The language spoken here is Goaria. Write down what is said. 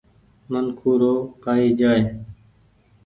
منکون رو ڪآئي جآئي ۔